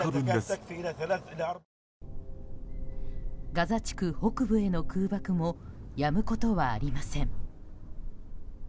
ガザ地区北部への空爆もやむことはありません。